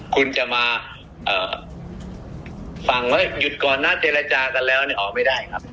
คุณจะมาฟังว่าหยุดก่อนนะเจรจากันแล้วเนี่ยออกไม่ได้ครับ